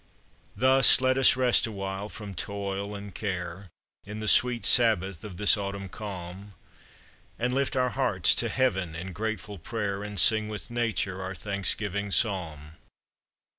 Thus let us rest awhile from toil and care, In the sweet sabbath of this autumn calm, And lift our hearts to heaven in grateful prayer, And sing with nature our thanksgiving psalm.